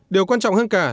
điều quan trọng hơn cả